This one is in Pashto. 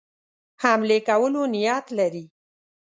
حملې کولو نیت لري.